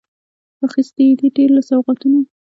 راخیستي یې دي، ډیر له سوغاتونو